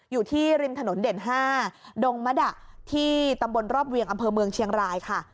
อยู่ที่ริมถนนเด่น๕ดงมดะที่ตำบลรอบเวียงอำเภอเมืองเชียงรายค่ะ